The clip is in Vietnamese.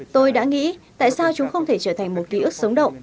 tôi đã nghĩ tại sao chúng không thể trở thành một ký ức sống động